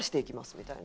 みたいな。